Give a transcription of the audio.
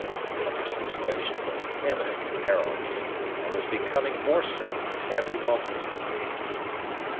But their situation was eminently perilous, and was becoming more so with every moment.